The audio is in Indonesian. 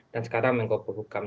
dan sekarang mengoperasikan